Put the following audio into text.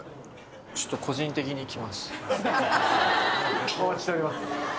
ちょっと、お待ちしております。